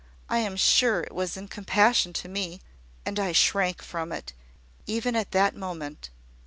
I am sure it was in compassion to me and I shrank from it, even at that moment.